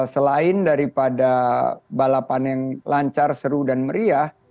selain daripada balapan yang lancar seru dan meriah